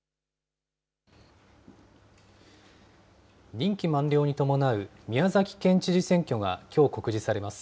任期満了に伴う宮崎県知事選挙がきょう告示されます。